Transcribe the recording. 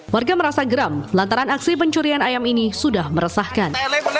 warga merasa geram lantaran aksi pencurian ayam ini sudah meresahkan